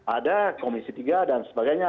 ada komisi tiga dan sebagainya